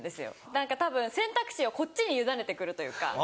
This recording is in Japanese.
何かたぶん選択肢をこっちに委ねてくるというか。